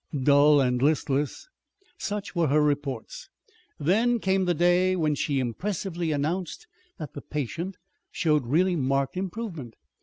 "Dull and listless." Such were her reports. Then came the day when she impressively announced that the patient showed really marked improvement.